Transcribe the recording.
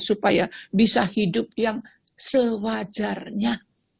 supaya bisa hidup yang sewajarnya